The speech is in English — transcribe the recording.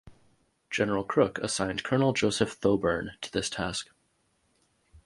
General Crook assigned Colonel Joseph Thoburn to this task.